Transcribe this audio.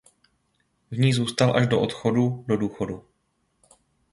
V ní zůstal až do odchodu do důchodu.